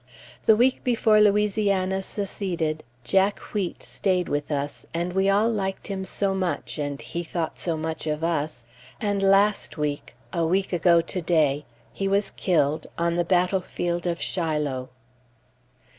The week before Louisiana seceded, Jack Wheat stayed with us, and we all liked him so much, and he thought so much of us; and last week a week ago to day he was killed on the battle field of Shiloh.